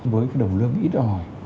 với cái đầu lương ít rồi